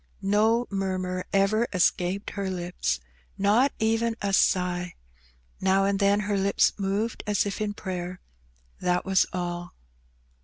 No murmur ever escaped her lips, not even a sigh; now and then her lips moved as if in prayer, that was all.